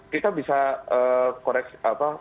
kita bisa koreksi apa